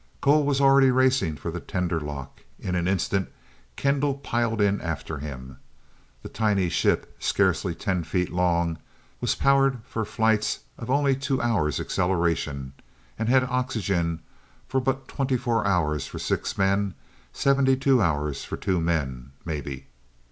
Cole was already racing for the tender lock. In an instant Kendall piled in after him. The tiny ship, scarcely ten feet long, was powered for flights of only two hours acceleration, and had oxygen for but twenty four hours for six men, seventy two hours for two men maybe.